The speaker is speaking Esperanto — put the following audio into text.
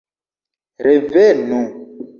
Revenu!